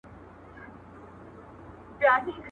په حکومت کې خلقيان شامل وو.